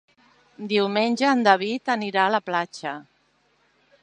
Diumenge en David anirà a la platja.